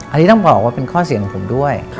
อันนี้ต้องบอกว่าเป็นข้อเสี่ยงของผมด้วย